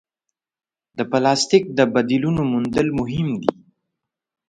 د پلاسټیک د بدیلونو موندل مهم دي.